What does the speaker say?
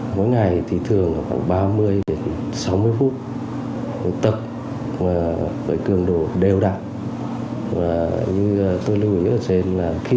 mỗi ngày thì thường khoảng ba mươi sáu mươi phút tập với cường độ đều đạn như tôi lưu ý ở trên là khi